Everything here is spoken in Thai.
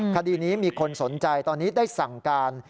คดีนี้มีคนสนใจตอนนี้ได้สั่งการ